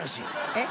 えっ？